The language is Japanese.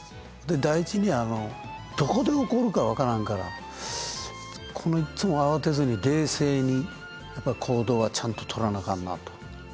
第一にどこで起こるか分からんからいつも慌てずに冷静にやっぱ行動はちゃんととらなあかんなと。